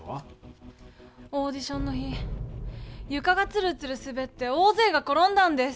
オーディションの日ゆかがツルツルすべって大ぜいが転んだんです。